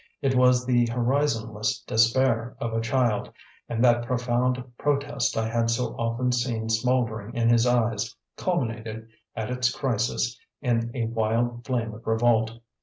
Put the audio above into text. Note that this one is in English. It was the horizonless despair of a child; and that profound protest I had so often seen smouldering in his eyes culminated, at its crisis, in a wild flame of revolt.